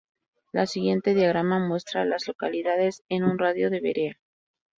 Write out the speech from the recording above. El siguiente diagrama muestra a las localidades en un radio de de Berea.